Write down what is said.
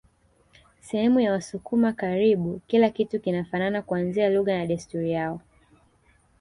Sehemu ya wasukuma karibu kila kitu kinafanana kuanzia lugha na desturi yao